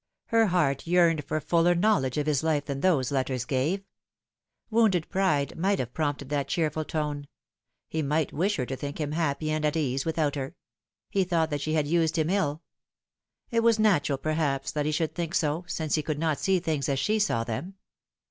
Her heart yearned for fuller knowledge of his life than those letters gave. Wounded pride might have prompted that cheerful tone. He might wish her to think him happy and at ease without her. He thought that she had used him ill. It was natural, perhaps, that he should think so, since he could not see things as she saw them.